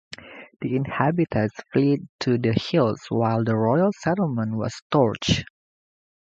The inhabitants fled to the hills while the royal settlement was torched.